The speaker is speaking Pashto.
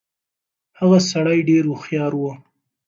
هغه سړی ډېر هوښيار و.